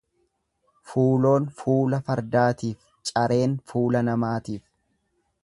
Fuuloon fuula fardaatiif, careen fuula namaatiif.